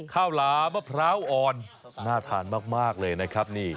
หลามะพร้าวอ่อนน่าทานมากเลยนะครับนี่